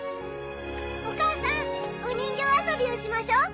お母さんお人形遊びをしましょう。